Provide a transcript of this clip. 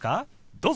どうぞ。